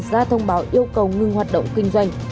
ra thông báo yêu cầu ngưng hoạt động kinh doanh